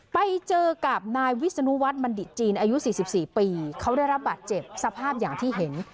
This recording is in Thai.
ไปเจอกับนายวิศนุวัฒน์บัณฑิตจีนอายุ๔๔ปีเขาได้รับบาดเจ็บสภาพอย่างที่เห็น